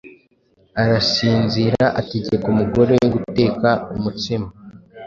arasinziraategeka umugore we guteka umutsima